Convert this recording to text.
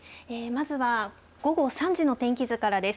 まずは午後３時の天気図からです。